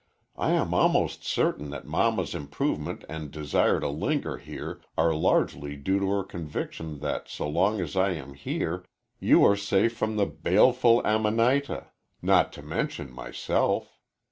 "I am almost certain that Mamma's improvement and desire to linger here are largely due to her conviction that so long as I am here you are safe from the baleful Amanita, not to mention myself.